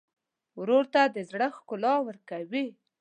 ورور ته د زړه ښکلا ورکوې.